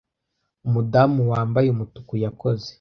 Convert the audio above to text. Umudamu wambaye Umutuku yakoze